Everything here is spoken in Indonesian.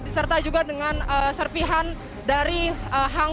serta juga dengan serpihan dari hangun